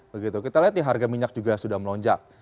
begitu kita lihat nih harga minyak juga sudah melonjak